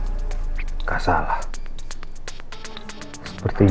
sekarang apa vilainya l pretty fool